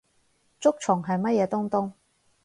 竹蟲係乜嘢東東？